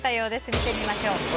見てみましょう。